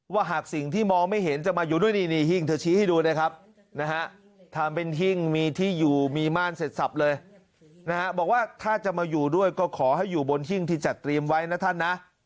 หากสิ่งที่มองไม่เห็นจะมาอยู่ด้วยนี่หิ้งเธอชี้ให้ดูนะครับทำเป็นหิ้งมีที่อยู่มีม่านเสร็จสับเลยนะฮะบอกว่าถ้าจะมาอยู่ด้วยก็ขอให้อยู่บนหิ้งที่จัดเตรียมไว้นะท่านนะ